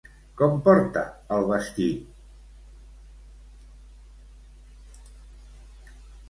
Com porta el vestit?